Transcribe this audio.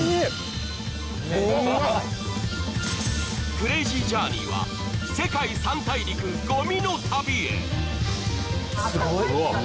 「クレイジージャーニー」は世界三大陸ごみの旅へ。